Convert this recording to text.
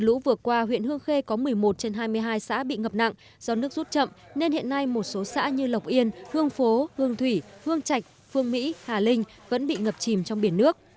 trong lũ vừa qua huyện hương khê có một mươi một trên hai mươi hai xã bị ngập nặng do nước rút chậm nên hiện nay một số xã như lộc yên hương phố hương thủy hương trạch phương mỹ hà linh vẫn bị ngập chìm trong biển nước